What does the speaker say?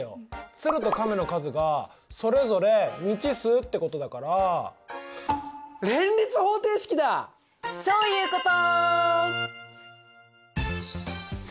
鶴と亀の数がそれぞれ未知数ってことだからそういうこと！